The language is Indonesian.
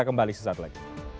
saya kembali sesaat lagi